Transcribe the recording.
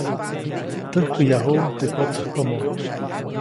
Täjkäyajuʼuŋ teʼ kotsäjkomo.